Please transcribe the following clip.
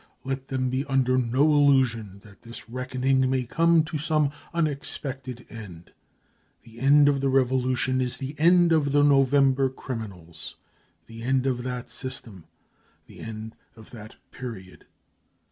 Let them be under no illusion that this reckoning may come to some unexpected end. The end of the revolution is the end of the November criminals, the end of that system, the end of that period